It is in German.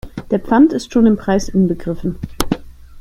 Der Pfand ist schon im Preis inbegriffen.